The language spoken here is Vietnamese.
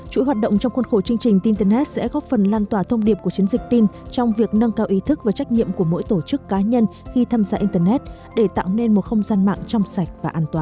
chuỗi hoạt động trong khuôn khổ chương trình internet sẽ góp phần lan tỏa thông điệp của chiến dịch tin trong việc nâng cao ý thức và trách nhiệm của mỗi tổ chức cá nhân khi tham gia internet để tạo nên một không gian mạng trong sạch và an toàn